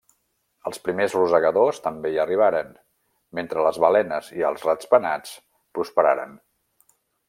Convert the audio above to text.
Els primers rosegadors també hi arribaren, mentre les balenes i els rat-penats prosperaren.